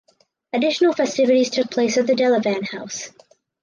Additional festivities took place at the Delavan House.